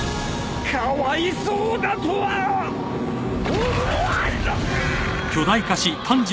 かわいそうだとは思わんのかぁ！！